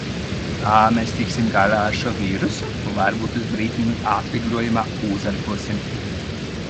Mēs tiksim galā ar šo vīrusu un varbūt uz brītiņu atvieglojumā uzelposim.